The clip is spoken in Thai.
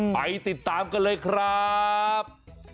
ไปติดตามกันเลยครับ